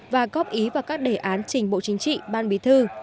và góp ý vào các đề án trình bộ chính trị ban bí thư